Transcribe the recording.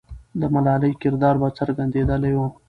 د ملالۍ کردار به څرګندېدلی وو.